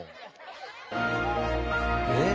えっ？